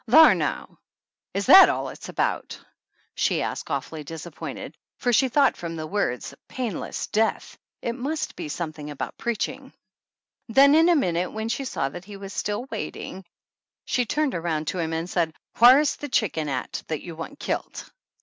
"Thar now! Is that all it's about?" she 76 THE ANNALS OF ANN asked awfully disappointed, for she thought from the words "painless death" it must be something about preaching. Then in a minute, when she saw that he was still waiting, she turned around to him and said: "Whar is the chicken at that you want killed?"